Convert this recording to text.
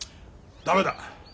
駄目だ。